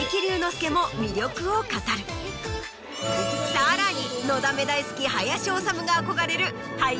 さらに。